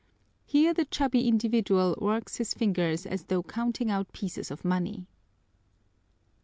Here the chubby individual works his fingers as though counting out pieces of money.